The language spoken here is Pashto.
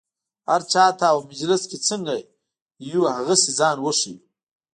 هر چا ته او مجلس کې څنګه یو هغسې ځان وښیو.